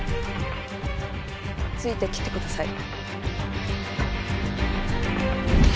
ついてきてください。